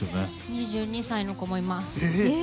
２２歳の子もいます。